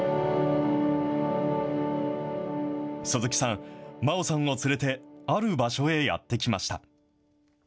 鈴木さん、真央さんを連れて、ある場所へやって来ました。